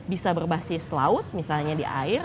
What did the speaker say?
bisa berbasis laut misalnya di air